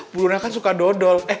bu dona kan suka dodol